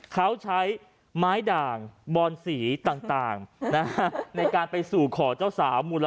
เขาใช้ไม้ด่างบอนสีต่างในการไปสู่ขอเจ้าสาว